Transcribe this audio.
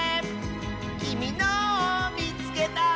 「きみのをみつけた！」